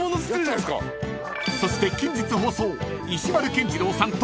［そして近日放送］